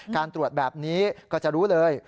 การตรวจแบบนี้ก็จะรู้เลย